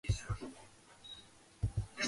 პროვინციას აღმოსავლეთით ესაზღვრება ინდოეთის ოკეანე.